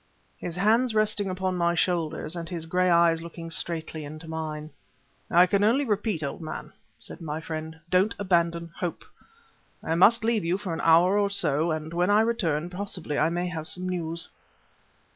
His hands resting upon my shoulders and his gray eyes looking straightly into mine. "I can only repeat, old man," said my friend, "don't abandon hope. I must leave you for an hour or so, and, when I return, possibly I may have some news."